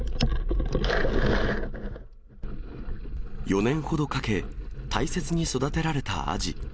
４年ほどかけ、大切に育てられたアジ。